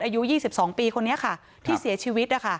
อายุ๒๒ปีคนนี้ค่ะที่เสียชีวิต